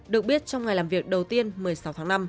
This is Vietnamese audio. được biết trong ngày làm việc đầu tiên một mươi sáu tháng năm